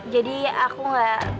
jadi aku gak